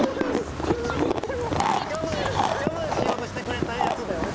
我慢しようとしてくれたやつだよね？